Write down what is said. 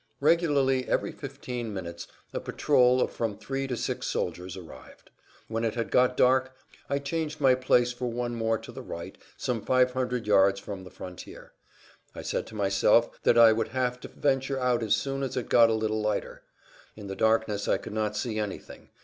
Regularly every fifteen minutes a patrol of from three to six soldiers arrived. When it had got dark I changed my place for one more to the right, some five hundred yards from the frontier. I said to myself that I would have to venture out as soon as it got a little lighter. In the darkness I could not see anything.